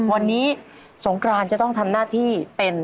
วันนี้สงกรานจะต้องทำหน้าที่เป็น